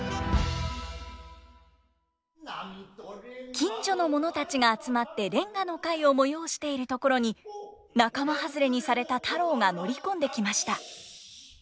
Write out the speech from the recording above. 近所の者たちが集まって連歌の会を催しているところに仲間外れにされた太郎が乗り込んできました。